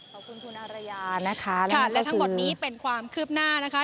ขอบคุณคุณอารยานะคะค่ะและทั้งหมดนี้เป็นความคืบหน้านะคะ